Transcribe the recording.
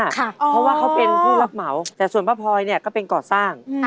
คือผู้รับเหมาแต่ส่วนพ่อพลอยเนี่ยก็เป็นก่อสร้าง